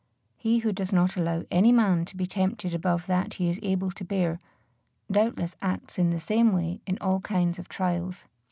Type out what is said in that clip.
He who does not allow any man to be tempted above that he is able to bear, doubtless acts in the same way in all kinds of trials.